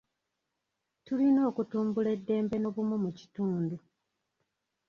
Tulina okutumbula eddembe n'obumu mu kitundu.